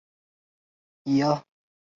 马聚垣遗址的历史年代为马家窑类型。